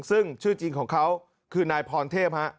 ซึ่งชื่อจริงของเขาคือนายพรเทพฮะ